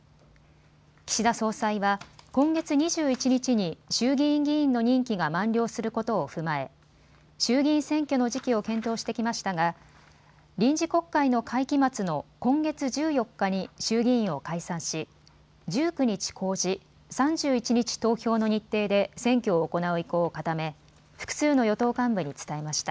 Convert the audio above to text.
岸田総裁は今月２１日に衆議院議員の任期が満了することを踏まえ衆議院選挙の時期を検討してきましたが臨時国会の会期末の今月１４日に衆議院を解散し１９日公示、３１日投票の日程で選挙を行う意向を固め複数の与党幹部に伝えました。